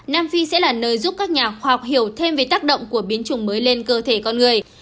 nam phi sẽ là nơi giúp các nhà khoa học hiểu thêm về tác động của biến chủng mới lên cơ thể con người